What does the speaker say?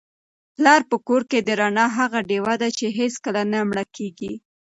پلار په کور کي د رڼا هغه ډېوه ده چي هیڅکله نه مړه کیږي.